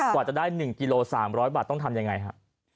กว่าจะได้๑กิโล๓๐๐บาทต้องทำยังไงฮะ